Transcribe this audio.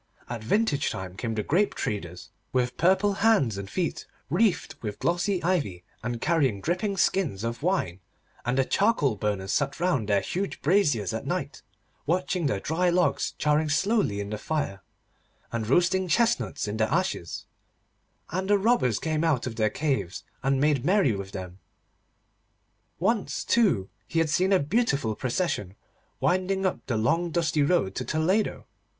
At vintage time came the grape treaders, with purple hands and feet, wreathed with glossy ivy and carrying dripping skins of wine; and the charcoal burners sat round their huge braziers at night, watching the dry logs charring slowly in the fire, and roasting chestnuts in the ashes, and the robbers came out of their caves and made merry with them. Once, too, he had seen a beautiful procession winding up the long dusty road to Toledo.